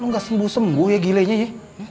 lo gak sembuh sembuh ya gilainya ye